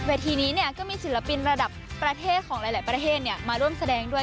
ทีนี้ก็มีศิลปินระดับประเทศของหลายประเทศมาร่วมแสดงด้วย